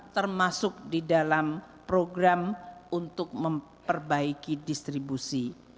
termasuk di dalam program untuk memperbaiki distribusi